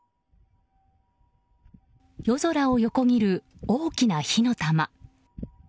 夜空を横切る大きな火の玉。